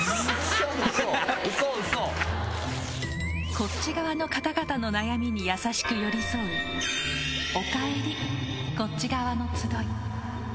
こっち側の方々の悩みに優しく寄り添うおかえりこっち側の集い。